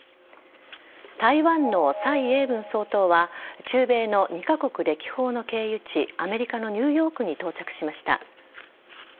台湾の蔡英文総統は中米の２カ国歴訪の経由地アメリカのニューヨークに到着しました。